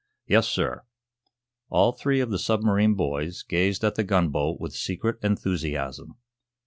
"Yes, sir." All three of the submarine boys gazed at the gunboat with secret enthusiasm.